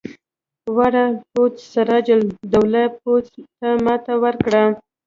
واړه پوځ سراج الدوله پوځ ته ماته ورکړه.